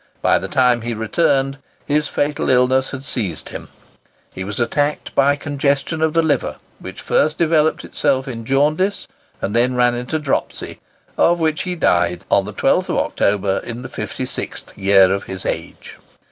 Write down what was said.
By the time he returned, his fatal illness had seized him. He was attacked by congestion of the liver, which first developed itself in jaundice, and then ran into dropsy, of which he died on the 12th October, in the fifty sixth year of his age.